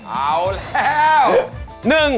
เอาแล้ว